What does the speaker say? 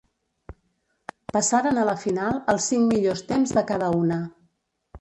Passaren a la final els cinc millors temps de cada una.